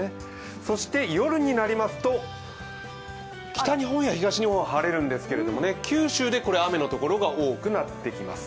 そして夜になりますと、北日本や東日本は晴れるんですけれども、九州で雨の所が多くなってきます。